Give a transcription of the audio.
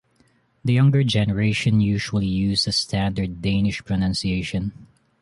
The younger generation usually uses standard Danish pronunciation.